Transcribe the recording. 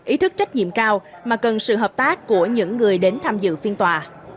ý thức trách nhiệm cao mà cần sự hợp tác của những người đến tham dự phiên tòa